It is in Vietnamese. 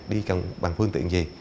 đi bằng phương tiện gì